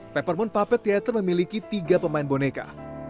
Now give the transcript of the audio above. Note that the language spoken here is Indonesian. peppermoon puppet theater memiliki tiga pemain boneka